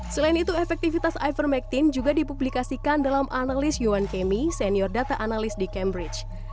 selain itu efektivitas ivermectin juga dipublikasikan dalam analis yuan kemi senior data analis di cambridge